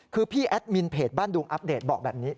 คือพี่แอดมินเพจบ้านดุงอัปเดตบอกแบบนี้